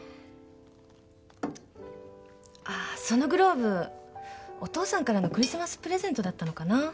あぁそのグローブお父さんからのクリスマスプレゼントだったのかな？